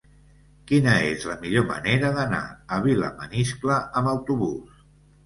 Quina és la millor manera d'anar a Vilamaniscle amb autobús?